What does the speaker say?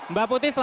mbak putih selalu